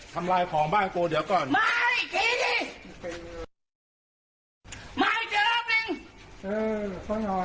ทำบ้ายเลยนะเดี๋ยวพี่นอนว่าก่อน